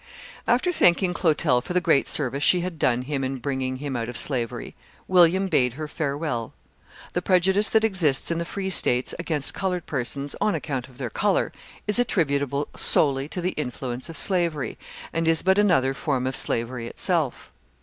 After thanking Clotel for the great service she had done him in bringing him out of slavery, William bade her farewell. The prejudice that exists in the Free States against coloured persons, on account of their colour, is attributable solely to the influence of slavery, and is but another form of slavery itself.